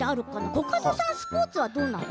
コカドさんはスポーツどうなの？